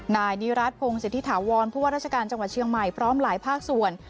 นายนิรัติพงศิษฐิถาวรผู้ว่าราชการจังหวัดเชียงใหม่พร้อมหลายภาคส่วน